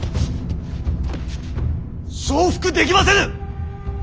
承服できませぬ！